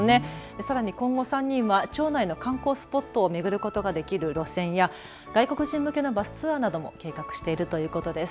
さらに今後３人は町内の観光スポットを巡ることができる路線や外国人向けのバスツアーなども計画しているということです。